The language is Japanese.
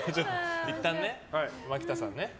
いったん、マキタさんね。